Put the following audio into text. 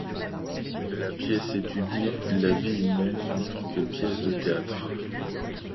La pièce étudie la vie humaine en tant que pièce de théâtre.